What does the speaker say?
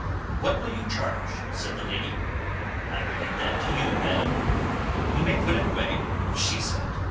"What will you charge?" said the lady. "I will leave that to you, madam." "You may put it away," she said.